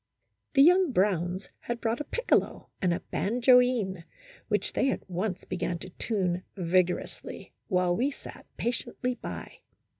The young Browns had brought a piccolo and a banjoine, which they at once began to tune vigor ously, while we sat patiently by.